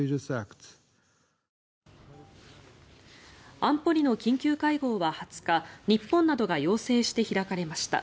安保理の緊急会合は２０日日本などが要請して開かれました。